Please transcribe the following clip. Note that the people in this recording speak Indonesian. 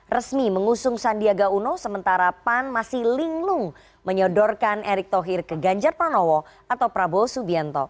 resmi mengusung sandiaga uno sementara pan masih linglung menyodorkan erick thohir ke ganjar pranowo atau prabowo subianto